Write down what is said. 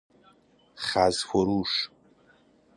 خز فروش